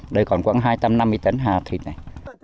đây còn khoảng hai trăm năm mươi tấn hà thịt này